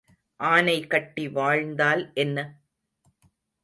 ஆனை கட்டி வாழ்ந்தால் என்ன?